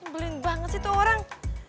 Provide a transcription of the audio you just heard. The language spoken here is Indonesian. belin banget sih tuh orang